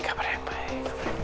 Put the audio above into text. kamar yang baik